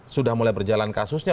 sudah mulai berjalan kasusnya